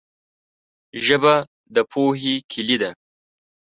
ژبه د پوهې کلي ده